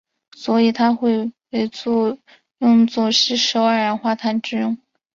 所以它会被用作吸收二氧化碳之用。